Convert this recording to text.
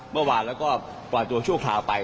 เมื่อวานแล้วก็ปล่อยตัวชั่วคราวไป